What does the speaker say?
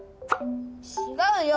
違うよ。